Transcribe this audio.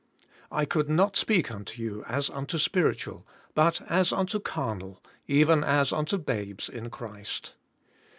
"I could not speak unto you as unto spiritual, but as unto carnal, even as unto babes in Christ."